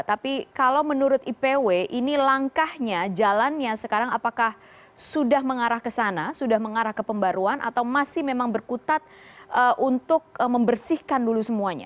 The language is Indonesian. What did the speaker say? tapi kalau menurut ipw ini langkahnya jalannya sekarang apakah sudah mengarah ke sana sudah mengarah ke pembaruan atau masih memang berkutat untuk membersihkan dulu semuanya